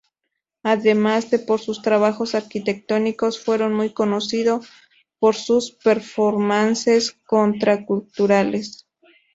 Además de por sus trabajos arquitectónicos fueron muy conocido por sus "performances" contraculturales.